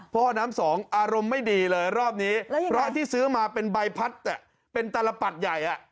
พ่อน้ำสองอารมณ์ไม่ดีเลยรอบนี้พระที่ซื้อมาเป็นใบพัดเป็นตลปัดใหญ่